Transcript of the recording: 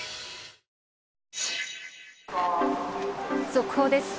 速報です。